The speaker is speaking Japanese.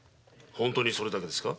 本当にそれだけですか？